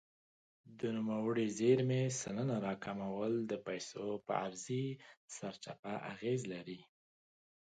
د نوموړې زیرمې سلنه راکمول د پیسو پر عرضې سرچپه اغېز لري.